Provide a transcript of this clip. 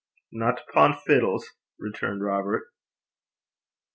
'Nae upo' fiddles,' returned Robert.